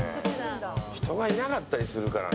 人がいなかったりするからね